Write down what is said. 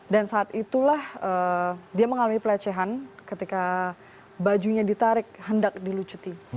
dan saat itulah dia mengalami pelecehan ketika bajunya ditarik hendak dilucuti